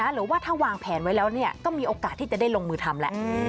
หรือว่าถ้าวางแผนไว้แล้วก็มีโอกาสที่จะได้ลงมือทำแล้ว